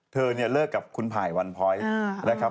เธอเนี่ยเลิกกับคุณไผ่วันพ้อยนะครับ